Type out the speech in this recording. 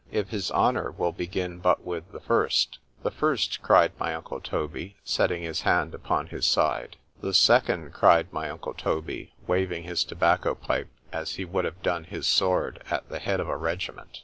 —If his honour will begin but with the first— THE FIRST—cried my uncle Toby, setting his hand upon his side—* . THE SECOND—cried my uncle Toby, waving his tobacco pipe, as he would have done his sword at the head of a regiment.